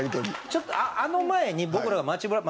ちょっとあの前に僕らが街ブラ。